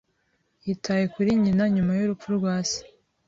Yitaye kuri nyina nyuma y'urupfu rwa se.